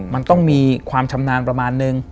มันต้องมีความชำนาญประมาณนึง